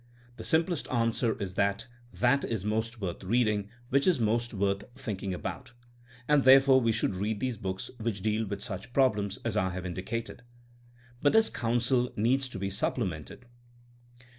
The simplest answer is that that is most worth reading which is most worth thinking about, and therefore we should read those books which deal with such problems as I have indicated. But this counsel needs to be supplemented.